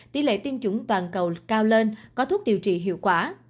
tỷ lệ tiêm chủng toàn cầu cao lên có thuốc điều trị hiệu quả